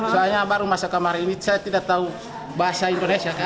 soalnya baru masuk kamar ini saya tidak tahu bahasa indonesia